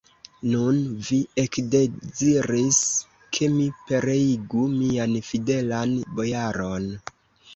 Nun vi ekdeziris, ke mi pereigu mian fidelan bojaron!